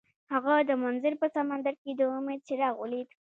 هغه د منظر په سمندر کې د امید څراغ ولید.